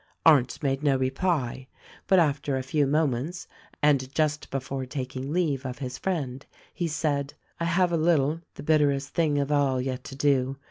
Arndt made no reply; but after a few moments, and just before taking leave of his friend, he said, "I have a little the bitterest thing of all yet to do.